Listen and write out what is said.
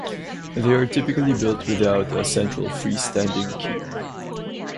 They are typically built without a central free-standing keep.